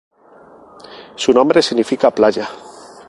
Su nombre significa ""playa"".